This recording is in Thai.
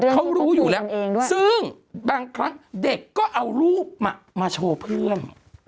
เขารู้อยู่แล้วซึ่งบางครั้งเด็กก็เอารูปมาโชว์เพื่อน